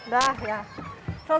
dah ya selesai semua ya